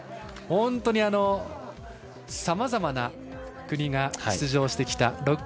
本当にさまざまな国が出場してきた。